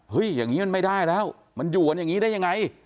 อย่างนี้มันไม่ได้แล้วมันอยู่กันอย่างนี้ได้ยังไง